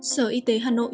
sở y tế hà nội